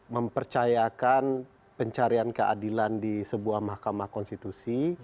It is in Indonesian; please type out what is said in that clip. mempercayakan pencarian keadilan di sebuah mahkamah konstitusi